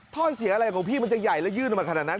ถ้อยเสียอะไรของพี่มันจะใหญ่และยื่นมาขนาดนั้น